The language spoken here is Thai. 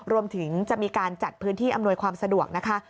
รวมถึงจะมีการจัดพื้นที่อำนวยความสะดวกนะคะ